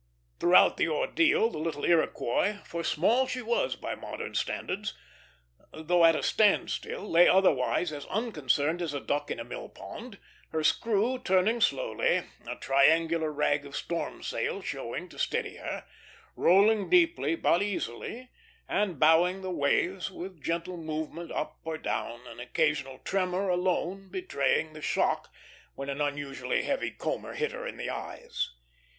Throughout the ordeal the little Iroquois for small she was by modern standards though at a stand still, lay otherwise as unconcerned as a duck in a mill pond; her screw turning slowly, a triangular rag of storm sail showing to steady her, rolling deeply but easily, and bowing the waves with gentle movement up or down, an occasional tremor alone betraying the shock when an unusually heavy comber hit her in the eyes.